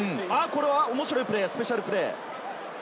面白いプレー、スペシャルプレー。